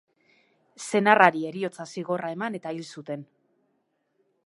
Senarrari heriotza zigorra eman eta hil zuten.